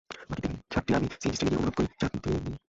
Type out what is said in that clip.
বাকি সাতটি আমি সিএনজি স্ট্যান্ডে গিয়ে অনুরোধ করে চাপ দিয়ে নিই।